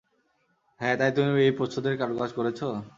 হ্যাঁ তাই তুমি এই প্রচ্ছদের কারুকাজ করেছো?